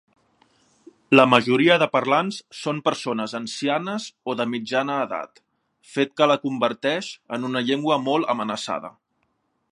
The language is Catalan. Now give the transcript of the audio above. La majoria de parlants són persones ancianes o de mitjana edat, fet que la converteix en una llengua molt amenaçada.